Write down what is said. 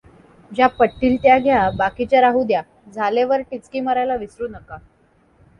ज्या पटतील त्या घ्या बाकीच्या राहू द्या झाले वर टिचकी मारायला विसरू नका.